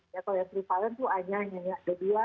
kalau yang trivalent itu a nya yang a nya dua duanya